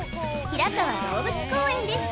平川動物公園です